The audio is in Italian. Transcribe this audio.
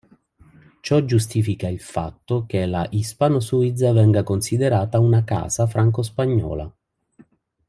Ciò giustifica il fatto che la Hispano-Suiza venga considerata una Casa franco-spagnola.